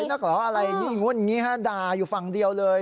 สวยนักหรออะไรอย่างนี้ด่าอยู่ฝั่งเดียวเลย